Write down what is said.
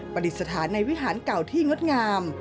ปฏิสถานในวิหารเก่าที่งดงาม